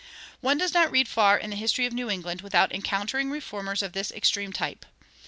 One does not read far in the history of New England without encountering reformers of this extreme type.